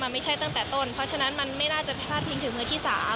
ไม่ใช่ตั้งแต่ต้นเพราะฉะนั้นมันไม่น่าจะพลาดพิงถึงมือที่๓